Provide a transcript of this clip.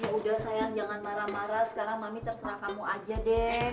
udah sayang jangan marah marah sekarang mami terserah kamu aja deh